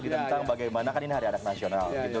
tentang bagaimana kan ini hari anak nasional gitu